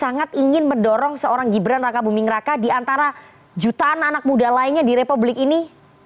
sangat ingin mendorong seorang gibran raka buming raka di antara jutaan anak muda lainnya di republik ini